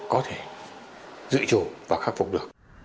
có thể dự chủ và khắc phục được